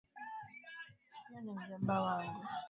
Huyo ni mjomba wangu